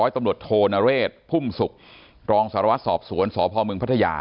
ตำรวจโทนเรศพุ่มศุกร์รองสารวัตรสอบสวนสพมพัทยา